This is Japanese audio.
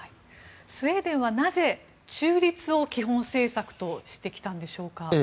スウェーデンはなぜ、中立を基本政策としてきたんでしょうか。